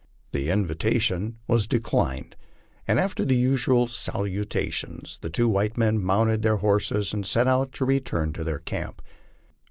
The invitation was declined, and after the usual salutations the two white men mounted their horses and set out to return to their camp.